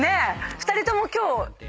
２人とも今日。